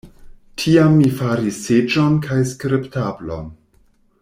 Tiam mi faris seĝon kaj skribtablon.